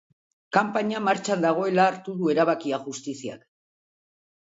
Kanpaina martxan dagoela hartu du erabakia justiziak.